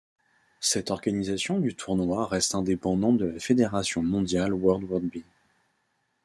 Cette organisation du Tournoi reste indépendante de la fédération mondiale World Rugby.